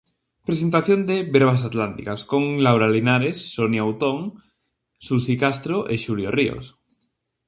Presentación de "Verbas Atlánticas", con Laura Linares, Sonia Outón, Susi Castro e Xulio Ríos.